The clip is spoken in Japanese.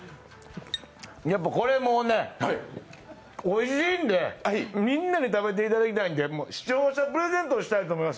やっぱこれもね、おいしいんでみんなに食べてほしいんで視聴者プレゼントしたいと思います。